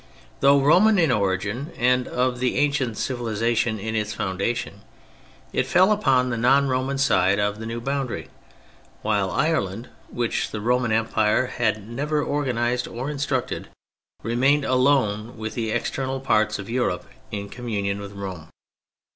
Though Roman in origin and of the ancient civilisation in its foundation, it fell upon the non Roman side of the new boundary; while Ireland, which the Roman Empire had never organised or instructed, re mained, alone of the external parts of Europe, in communion with Rome.